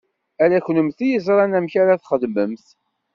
Ala kennemti i yeẓṛan amek ara ad txedmemt.